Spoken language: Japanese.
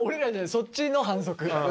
そっちの反則。